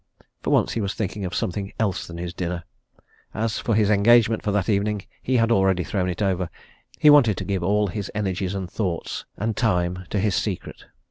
For once he was thinking of something else than his dinner as for his engagement for that evening, he had already thrown it over: he wanted to give all his energies and thoughts and time to his secret.